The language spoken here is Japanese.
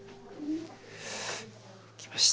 来ました。